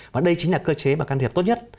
và đây chính là cơ chế mà can thiệp tốt nhất